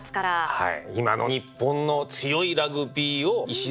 はい。